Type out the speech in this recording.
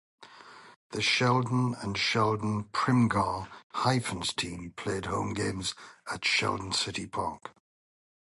The Sheldon and Sheldon–Primghar Hyphens teams played home games at Sheldon City Park.